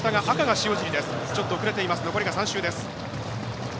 残りが３周です。